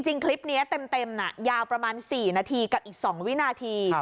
จริงคลิปนี้เต็มยาวประมาณ๔นาทีกับอีก๒วินาที